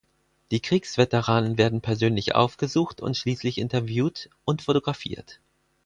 Die Kriegsveteranen werden persönlich aufgesucht und schließlich interviewt und fotografiert.